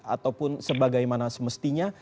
atau pun sebagaimana semestinya